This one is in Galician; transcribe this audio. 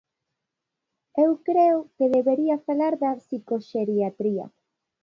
Eu creo que debería falar da psicoxeriatría.